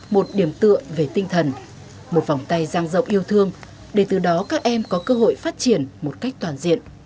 một điểm tựa về tinh thần một vòng tay giang rộng yêu thương để từ đó các em có cơ hội phát triển một cách toàn diện